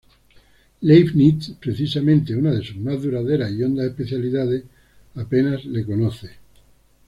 Leibniz —precisamente una de sus más duraderas y hondas especialidades—, apenas le conoce.